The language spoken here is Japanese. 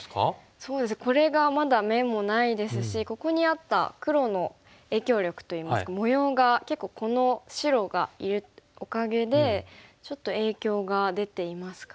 そうですねこれがまだ眼もないですしここにあった黒の影響力といいますか模様が結構この白がいるおかげでちょっと影響が出ていますかね。